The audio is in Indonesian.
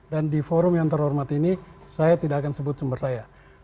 dan di forum yang terhormat ini saya tidak akan sebut sumber saya